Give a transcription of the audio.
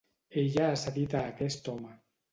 Ella ha cedit a aquest home.